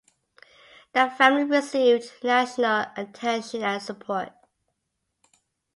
The family received national attention and support.